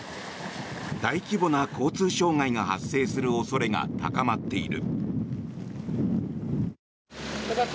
大規模な交通障害が発生する恐れが高まっている。